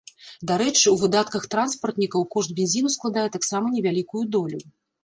Дарэчы, у выдатках транспартнікаў кошт бензіну складае таксама невялікую долю.